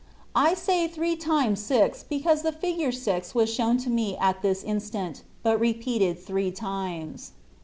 I say three times six because the figure six was shown to me at this instant, but repeated three times.